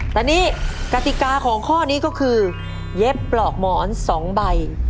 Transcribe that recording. แต่นี่กติกาของข้อนี้ก็คือเย็บปลอกหมอน๒ใบ